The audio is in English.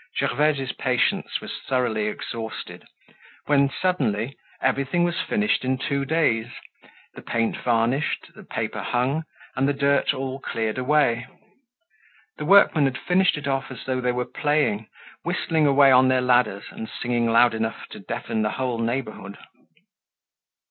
Gervaise's patience was thoroughly exhausted, when, suddenly, everything was finished in two days, the paint varnished, the paper hung, and the dirt all cleared away. The workmen had finished it off as though they were playing, whistling away on their ladders, and singing loud enough to deafen the whole neighborhood.